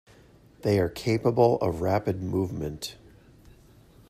They are capable of rapid movement.